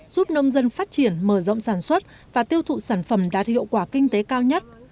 giúp nông dân phát triển mở rộng sản xuất và tiêu thụ sản phẩm đạt hiệu quả kinh tế cao nhất